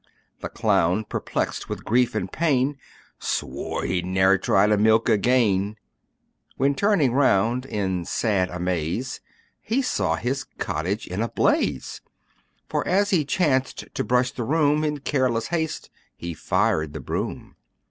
The clown, perplexed with grief and pain, Swore he'd ne'er try to milk again: When turning round, in sad amaze, He saw his cottage in a blaze: For as he chanced to brush the room, In careless haste, he fired the broom.